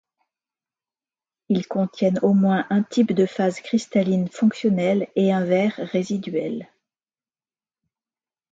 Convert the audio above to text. Ils contiennent au moins un type de phase cristalline fonctionnelle et un verre résiduel.